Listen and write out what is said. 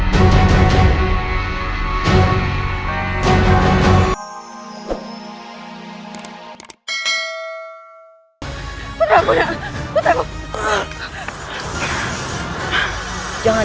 jangan putraku jangan